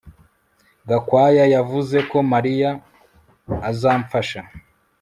Gakwaya yavuze ko Mariya azamfasha